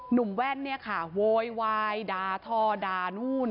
แว่นเนี่ยค่ะโวยวายด่าทอด่านู่น